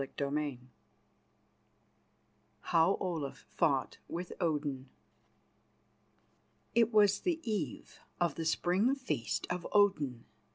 CHAPTER VI HOW OLAF FOUGHT WITH ODIN It was the eve of the Spring Feast of Odin.